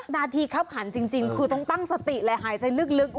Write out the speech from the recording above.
นาทีคับขันจริงคือต้องตั้งสติและหายใจลึก